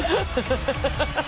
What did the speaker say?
ハハハハハ！